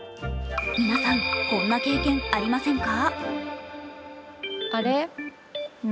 皆さん、こんな経験ありませんか？